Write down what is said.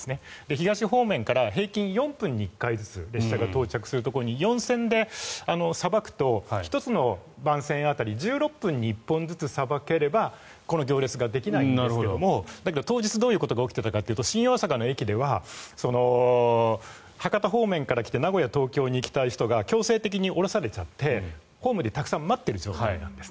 東方面から平均４分に１回ずつ列車が到着するところに４線でさばくと１つの番線路当たり１６分に１本さばけばこの行列ができないんですがだけど当日どういうことが起きていたかというと新大阪の駅では博多方面から来て名古屋、東京に行きたい人が強制的に降ろされてホームでたくさん待っている状態なんです。